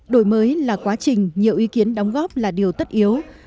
đổi mới là quá trình nhiều ý kiến đóng góp là điều tất yếu